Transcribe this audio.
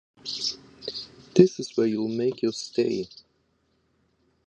This is where you'll make your stay.